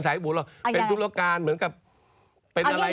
แต่คนวุศูเนี่ย